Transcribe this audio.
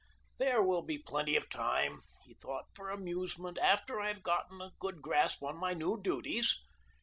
"There will be plenty of time," he thought, "for amusement after I have gotten a good grasp of my new duties."